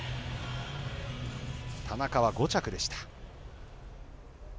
田中は５着でした。